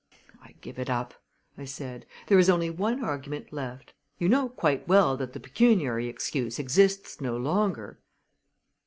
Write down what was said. "I give it up," I said. "There is only one argument left. You know quite well that the pecuniary excuse exists no longer."